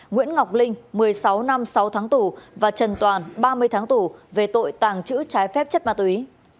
nguyễn ngọc linh một mươi sáu năm sáu tháng tù và trần toàn ba mươi tháng tù về tội tàng trữ trái phép chất ma túy